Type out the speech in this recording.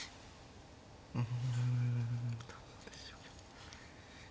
うんどうでしょう。